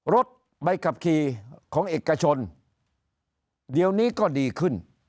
รถใบขับขี่ของเอกชนเดี๋ยวนี้ก็ดีขึ้น